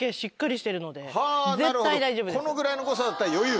このぐらいの誤差だったら余裕。